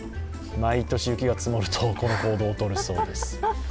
毎年、雪が積もるとこの行動をとるそうです。